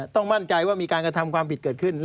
ต้องมั่นใจว่ามีการกระทำความผิดเกิดขึ้น